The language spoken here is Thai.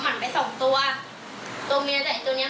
ใช่เหมือนทุกวันแล้วมันมีอีกผู้หนึ่งเป็นสีดำ